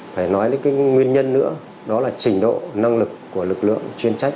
phải nói đến cái nguyên nhân nữa đó là trình độ năng lực của lực lượng chuyên trách